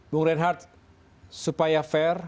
bu renhardt supaya fair